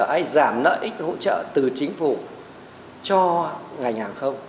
hay giảm lợi ích hỗ trợ từ chính phủ cho ngành hàng không